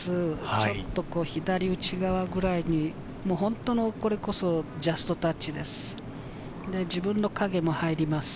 ちょっと左、内側くらいに、これこそ本当のジャストタッチです。